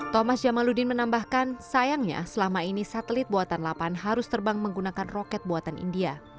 thomas jamaludin menambahkan sayangnya selama ini satelit buatan lapan harus terbang menggunakan roket buatan india